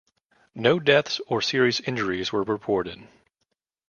No deaths or serious injuries were reported.